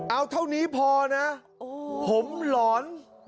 เอาเท่านี้พอนะผมหลอน